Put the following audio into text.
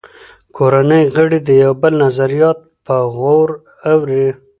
کورنۍ غړي د یو بل نظریات په غور اوري